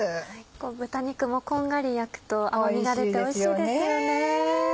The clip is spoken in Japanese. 豚肉もこんがり焼くと甘味が出ておいしいですよね。